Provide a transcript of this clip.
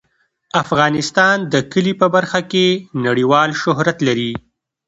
افغانستان د کلي په برخه کې نړیوال شهرت لري.